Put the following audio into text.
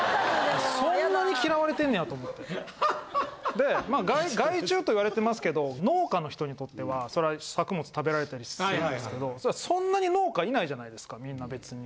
で害虫といわれてますけど農家の人にとってはそら作物食べられたりするんですけどそんなに農家いないじゃないですかみんな別に。